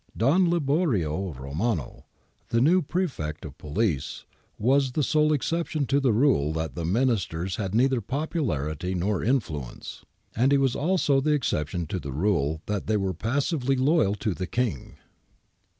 ^ Don Liborio Romano, the new Prefect of Police, was the sole exception to the rule that the Ministers had neither popularity nor influence ; and he was also the exception to the rule that they were passively loyal to the King.